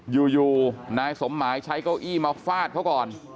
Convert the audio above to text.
อยู่นายสมหมายใช้เก้าอี้มาฟาดเขาก่อน